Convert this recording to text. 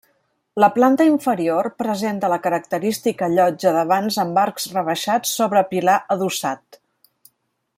La planta inferior presenta la característica llotja de vans amb arcs rebaixats sobre pilar adossat.